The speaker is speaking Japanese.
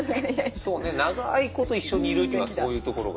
そうね長いこと一緒にいるってのはそういうところが。